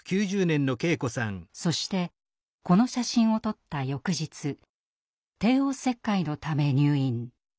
そしてこの写真を撮った翌日帝王切開のため入院。